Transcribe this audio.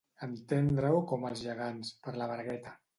Entendre-ho com els gegants, per la bragueta.